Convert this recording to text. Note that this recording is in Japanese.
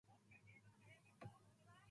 四川蜂起から武昌蜂起を経て辛亥革命は起こった。